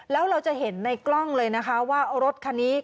แล้วเราจะเห็นในกล้องเลยนะคะว่ารถคันนี้